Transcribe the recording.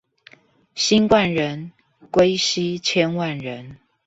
新冠人，歸西千萬人